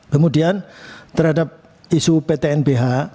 kemudian terhadap isu ptnbh